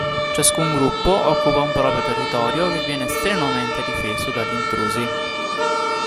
Ciascun gruppo occupa un proprio territorio, che viene strenuamente difeso dagli intrusi.